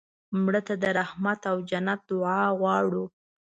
مړه ته د رحمت او جنت دعا غواړو